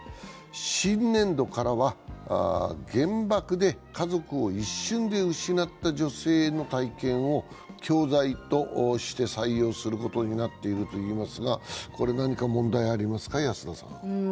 新年度からは原爆で家族を一瞬で失った女性の体験を教材として採用する事になっているといいますがこれ何か問題ありますか？